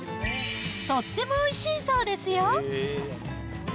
とってもおいしいそうですよ。